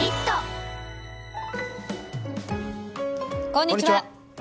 こんにちは。